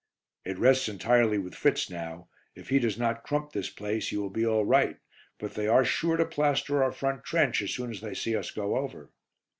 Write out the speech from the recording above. "It rests entirely with Fritz now. If he does not crump this place you will be all right, but they are sure to plaster our front trench as soon as they see us go over."